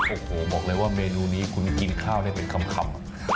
โอ้โหบอกเลยว่าเมนูนี้คุณกินข้าวได้เป็นคำ